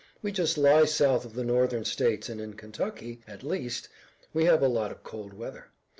We just lie south of the northern states and in Kentucky, at least, we have a lot of cold weather.